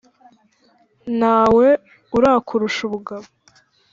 nta we urakurusha ubugabo